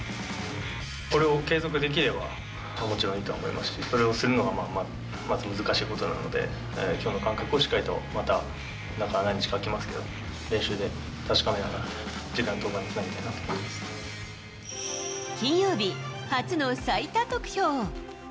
これを継続できれば、もちろんいいとは思いますし、それをするのがまず難しいことなので、きょうの感覚をしっかりとまた、中何日か空きますけど、練習で確かめながら、次回登板につなげた金曜日、初の最多得票。